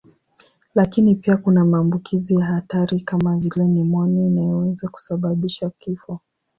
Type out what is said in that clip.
Lakini pia kuna maambukizi ya hatari kama vile nimonia inayoweza kusababisha kifo.